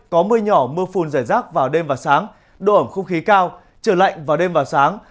có mưa nhỏ mưa phùn giải rác vào đêm và sáng độ ẩm không khí cao trời lạnh vào đêm và sáng